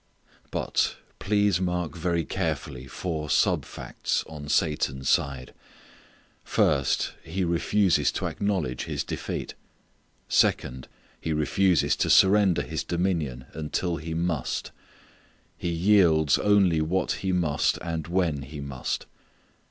But, please mark very carefully four sub facts on Satan's side. First, he refuses to acknowledge his defeat. Second, he refuses to surrender his dominion until he must. He yields only what he must and when he must.